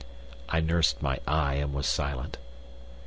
I nursed my eye and was silent.